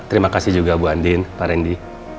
terima kasih juga bu andin pak randy